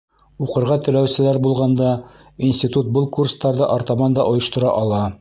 Уҡырға теләүселәр булғанда институт был курстарҙы артабан да ойоштора ала.